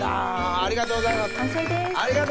ありがとうございます！